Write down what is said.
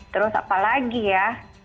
terus apa lagi ya